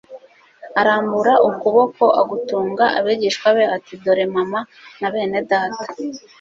Arambura ukuboko agutunga abigishwa be ati : dore mama na bene data.